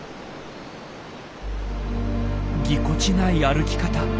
ぎこちない歩き方。